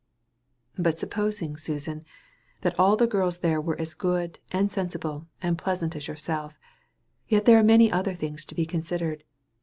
"But supposing, Susan, that all the girls there were as good, and sensible, and pleasant as yourself yet there are many other things to be considered.